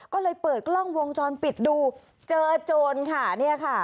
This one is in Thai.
ก็เลยเปิดกล้องวงจรปิดดูเจอโจรค่ะเนี่ยค่ะ